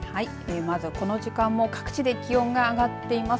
まずこの時間も各地で気温が上がっています。